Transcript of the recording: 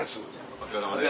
お疲れさまです。